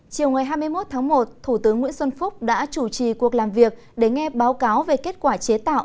chiều ngày hai mươi một tháng một thủ tướng nguyễn xuân phúc đã chủ trì cuộc làm việc để nghe báo cáo về kết quả chế tạo